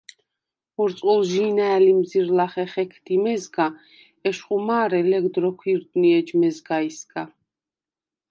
ურწყულჟი̄ნა̈ ლიმზჷრ ლახე ხექდი მეზგა, ეშხუ მა̄რე ლეგდ როქვ ირდვნი ეჯ მეზგაისგა.